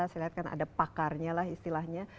saya lihat kan ada pakarnya lah istilahnya